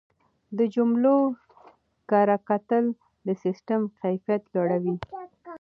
د جملو کره کتل د سیسټم کیفیت لوړوي.